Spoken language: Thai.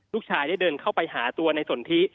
ลูกชายได้เดินเข้าไปหาตัวในสนทิ